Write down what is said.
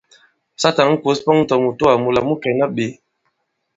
Sa tǎn kǒs pɔn tɔ̀ mùtoà mūla mu kɛ̀na ɓě !